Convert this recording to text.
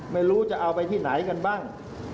ไม่รู้จะเอาไปที่ไหนกันบ้าง